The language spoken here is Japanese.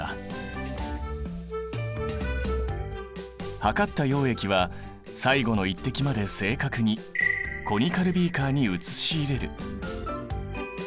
量った溶液は最後の１滴まで正確にコニカルビーカーに移し入れる。